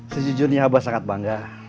sejujurnya abah sangat bangga